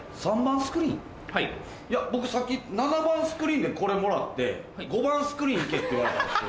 いや僕さっき７番スクリーンでこれもらって５番スクリーン行けって言われたんですよ。